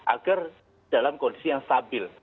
agar dalam kondisi yang stabil